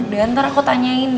nanti aku tanyain